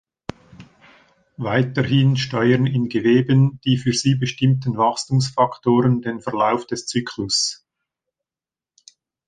Weiterhin steuern in Geweben die für sie bestimmten Wachstumsfaktoren den Verlauf des Zyklus.